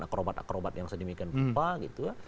akrobat akrobat yang sedemikian berupa